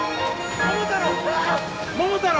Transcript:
桃太郎！